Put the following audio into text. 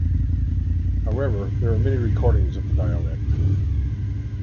However there are many recordings of the dialect.